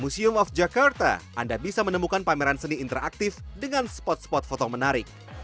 museum of jakarta anda bisa menemukan pameran seni interaktif dengan spot spot foto menarik